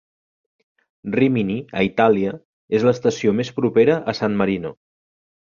Rímini, a Itàlia, és l'estació més propera a San Marino.